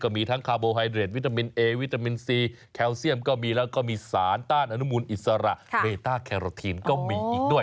มารุนมูลอิสระเบต้าแครอทีนก็มีอีกด้วย